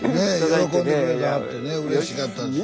喜んでくれてはってねうれしかったですね。